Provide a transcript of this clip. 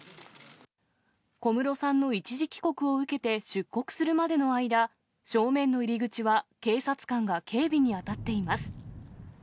小室さんの一時帰国を受けて、出国するまでの間、正面の入り口は警察官が警備に当たっています。